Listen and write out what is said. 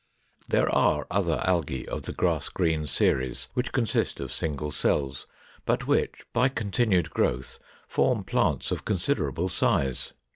] 514. There are other Algæ of the grass green series which consist of single cells, but which by continued growth form plants of considerable size.